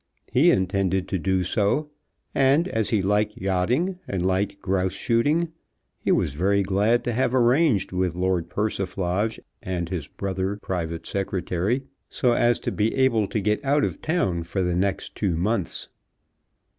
He intended to do so, and as he liked yachting and liked grouse shooting, he was very glad to have arranged with Lord Persiflage and his brother Private Secretary, so as to be able to get out of town for the next two months.